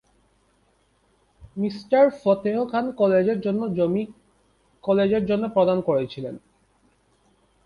Mr Fateh Khan কলেজের জন্য জমি কলেজের জন্য প্রদান করেছিলেন।